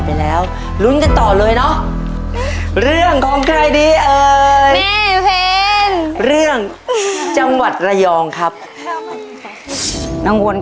น้องวนก็จะเป็นเด็กมีน้ำใจ